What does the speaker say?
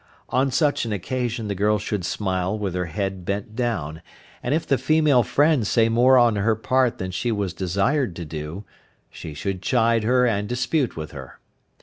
On such an occasion the girl should smile with her head bent down, and if the female friend say more on her part than she was desired to do, she should chide her and dispute with her.